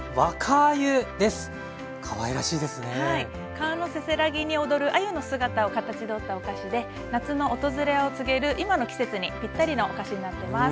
川のせせらぎに躍るあゆの姿をかたちどったお菓子で夏の訪れを告げる今の季節にぴったりのお菓子になってます。